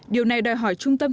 điều này đòi hỏi trung tâm